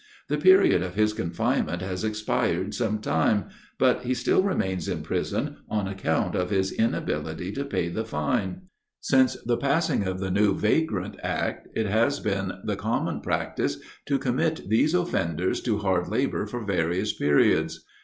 The period of his confinement has expired some time; but he still remains in prison, on account of his inability to pay the fine. Since the passing of the new Vagrant act, it has been the common practice to commit these offenders to hard labour for various periods.